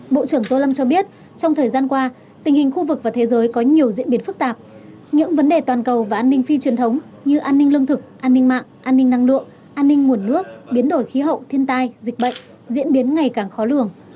bộ trưởng tô lâm cho biết trong thời gian qua tình hình khu vực và thế giới có nhiều diễn biến phức tạp những vấn đề toàn cầu và an ninh phi truyền thống như an ninh lương thực an ninh mạng an ninh năng lượng an ninh nguồn nước biến đổi khí hậu thiên tai dịch bệnh diễn biến ngày càng khó lường